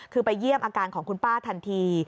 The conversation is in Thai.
คือไปเยี่ยมอาการของคุณป้าทันที